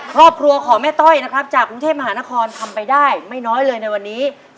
ครอบครัวของแม่ต้อยนะครับจากกรุงเทพมหานครทำไปได้ไม่น้อยเลยในวันนี้